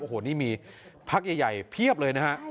โอ้โหนี่มีพักใหญ่เพียบเลยนะฮะ